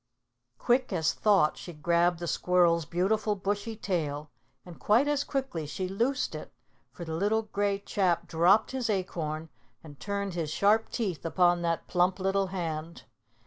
Quick as thought she grabbed the squirrel's beautiful bushy tail, and quite as quickly she loosed it, for the little gray chap dropped his acorn and turned his sharp teeth upon that plump little hand.